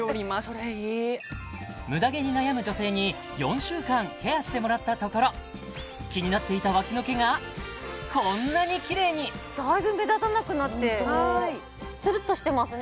それいいムダ毛に悩む女性に４週間ケアしてもらったところ気になっていたわきの毛がこんなにキレイにだいぶ目立たなくなってツルッとしてますね